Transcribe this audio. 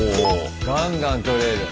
ガンガンとれる。